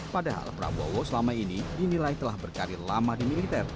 padahal prabowo selama ini dinilai telah berkarir lama di militer